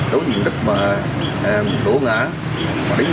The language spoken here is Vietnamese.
đối với định lập ống thì chỉ đổ ngã